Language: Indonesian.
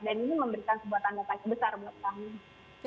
dan ini memberikan sebuah tanggapan yang besar buat kami